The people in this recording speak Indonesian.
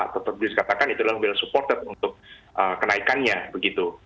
tetap bisa dikatakan itu adalah well supported untuk kenaikannya begitu